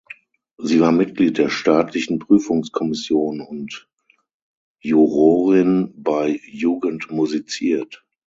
Sie war Mitglied der staatlichen Prüfungskommission und Jurorin bei „Jugend musiziert“.